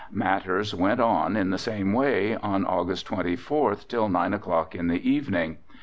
Matters went on in the same way on August 24th till 9 o'clock in the evening.